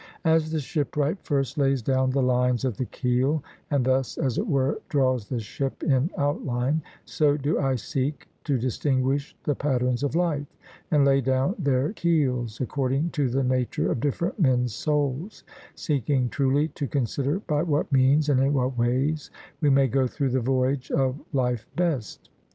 As the shipwright first lays down the lines of the keel, and thus, as it were, draws the ship in outline, so do I seek to distinguish the patterns of life, and lay down their keels according to the nature of different men's souls; seeking truly to consider by what means, and in what ways, we may go through the voyage of life best.